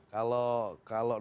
kalau normatif saya juga